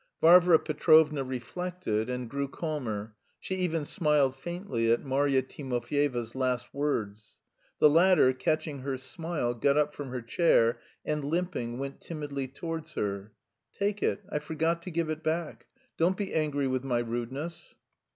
Varvara Petrovna reflected, and grew calmer, she even smiled faintly at Marya Timofyevna's last words; the latter, catching her smile, got up from her chair, and limping, went timidly towards her. "Take it. I forgot to give it back. Don't be angry with my rudeness."